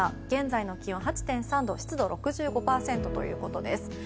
現在の気温は８．３度湿度６５％ということです。